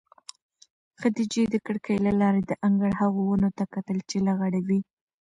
خدیجې د کړکۍ له لارې د انګړ هغو ونو ته کتل چې لغړې وې.